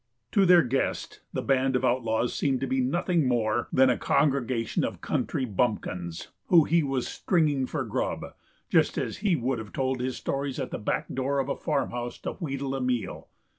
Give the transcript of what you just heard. To their guest the band of outlaws seemed to be nothing more than a congregation of country bumpkins whom he was "stringing for grub" just as he would have told his stories at the back door of a farmhouse to wheedle a meal.